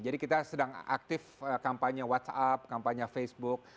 jadi kita sedang aktif kampanye whatsapp kampanye facebook